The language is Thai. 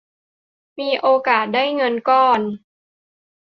มีโอกาสได้เงินก้อน